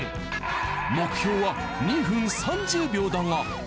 目標は２分３０秒だが。